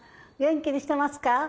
元気にしてますか？